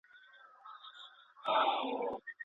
که د اختر په ورځو کي ښار پاک وساتل سي، نو خوښي نه خرابیږي.